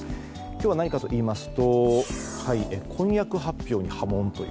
今日は何かといいますと婚約発表に波紋と。